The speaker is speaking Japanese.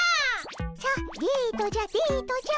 さあデートじゃデートじゃ。